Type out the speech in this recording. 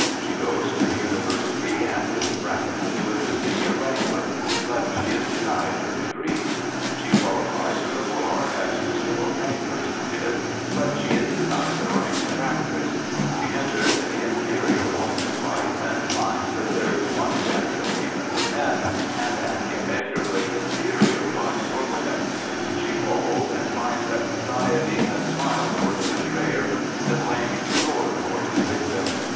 She goes to the University and is bracketed with the Senior Wrangler; but she is denied her degree. She qualifies for the Bar, as Christabel Pankhurst did, but she is denied the right to practise* She enters the inferior walks of life, and finds that there is one standard of payment for men and an 141 Prophets, Priests, and Kings immeasurably inferior one for women. She falls, and finds that society has smiles for the betrayer and the flaming sword for his victim.